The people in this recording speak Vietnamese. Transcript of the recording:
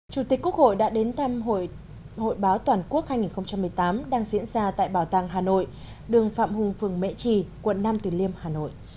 chủ tịch quốc hội đã đến thăm hội báo toàn quốc hai nghìn một mươi tám đang diễn ra tại bảo tàng hà nội đường phạm hùng phường mệ trì quận năm từ liêm hà nội